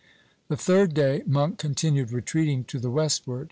The third day Monk continued retreating to the westward.